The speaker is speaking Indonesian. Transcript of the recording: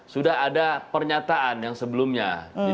sudah ada pernyataan yang sebelumnya